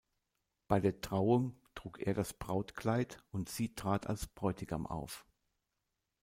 Bei der Trauung trug er das Brautkleid und sie trat als Bräutigam auf.